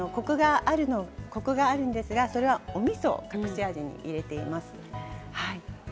コクがあるのですがそれは、おみそを入れています。